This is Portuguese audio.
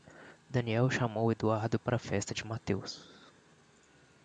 Daniel chamou Eduardo pra festa de Matheus.